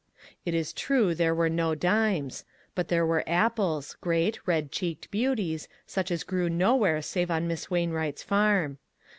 It is true there were no dimes, but there were apples, great, red cheeked beauties, such as grew nowhere save on Miss Wainwright's farm.